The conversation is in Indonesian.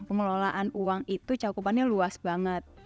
pengelolaan uang itu cakupannya luas banget